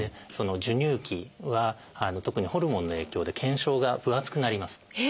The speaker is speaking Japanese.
授乳期は特にホルモンの影響で腱鞘が分厚くなります。